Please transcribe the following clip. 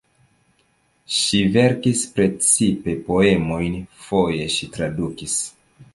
Ŝi verkis precipe poemojn, foje ŝi tradukis.